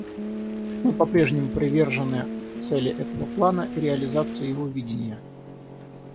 И мы по-прежнему привержены цели этого плана и реализации его видения.